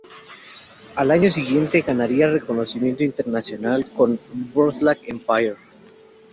Al año siguiente ganaría reconocimiento internacional con "Boardwalk Empire".